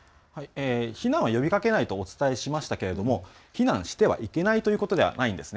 避難を呼びかけないとお伝えしましたが避難してはいけないということではないんです。